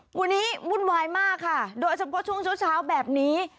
วันนี้วุ่นวายมากค่ะโดยเฉพาะช่วงเช้าแบบนี้